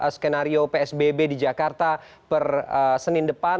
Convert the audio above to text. skenario psbb di jakarta per senin depan